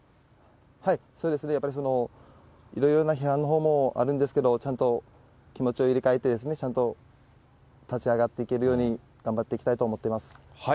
やっぱりいろいろな批判のほうもあるんですけど、ちゃんと気持ちを入れ替えてちゃんと立ち上がっていけるように頑張っていきたいと思ってます。